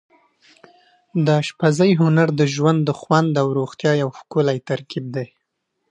د اشپزۍ هنر د ژوند د خوند او روغتیا یو ښکلی ترکیب دی.